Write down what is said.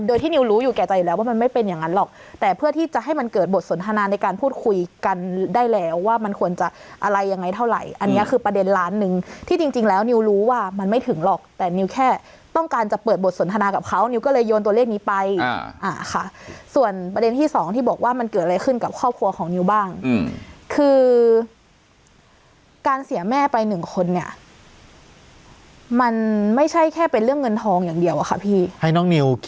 โดยที่นิวรู้อยู่แก่ใจอยู่แล้วว่ามันไม่เป็นอย่างนั้นหรอกแต่เพื่อที่จะให้มันเกิดบทสนทนาในการพูดคุยกันได้แล้วว่ามันควรจะอะไรยังไงเท่าไหร่อันนี้คือประเด็นล้านหนึ่งที่จริงจริงแล้วนิวรู้ว่ามันไม่ถึงหรอกแต่นิวแค่ต้องการจะเปิดบทสนทนากับเขานิวก็เลยโยนตัวเลขนี้ไปอ่าค่ะส่วนประเด็